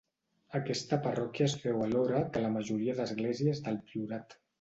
Aquesta parròquia es féu alhora que la majoria d'esglésies del Priorat.